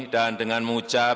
dan dengan mengucap